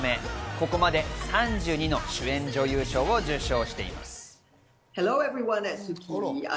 ここまで３２の主演女優賞を受賞しています。